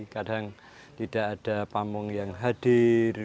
kadang tidak ada pamung yang hadir